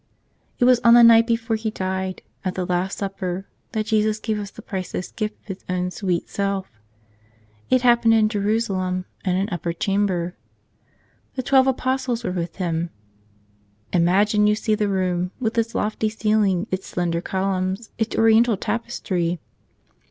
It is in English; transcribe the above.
It was on the night before He died, at the Last Supper, that Jesus gave us the priceless gift of His own sweet Self. It happened in Jerusalem, in an upper chamber. The twelve Apostles were with Him. Im¬ agine you see the room, with its lofty ceiling, its slender columns, its oriental tapestry.